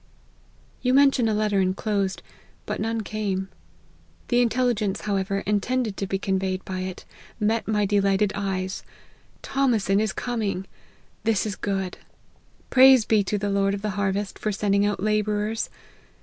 " You mention a letter enclosed, but none came. The intelligence, however, intended to be conveyed by it, met my delighted eyes. Thomason is com ing ! This is good. Praise be to the Lord of the harvest, for sending out labourers